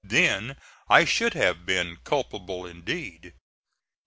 Then I should have been culpable indeed.